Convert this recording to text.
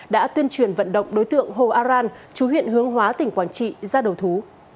đã tuyên truyền vận động đối tượng hồ aran chú huyện hướng hóa tỉnh quảng trị ra đầu thú